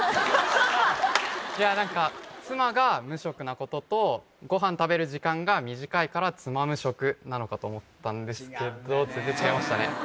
いやなんか妻が無職なこととごはん食べる時間が短いからつまむ食なのかと思ったんですけど違うんだね全然違いましたね